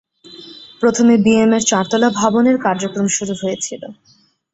প্রথমে B M এর চারতলা ভবনে এর কার্যক্রম শুরু হয়েছিল।